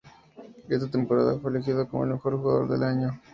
Esa temporada fue elegido como el Mejor Jugador del Año.